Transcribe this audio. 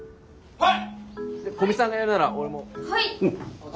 はい！